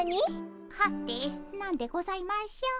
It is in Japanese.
はて何でございましょう。